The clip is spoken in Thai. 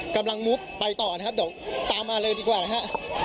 กำลังไปต่อนะครับตามมาเลยดีกว่านะครับ